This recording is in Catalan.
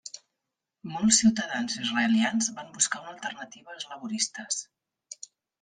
Molts ciutadans israelians van buscar una alternativa als laboristes.